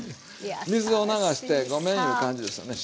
水を流してごめんいう感じですよね